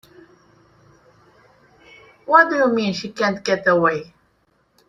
What do you mean she can't get away?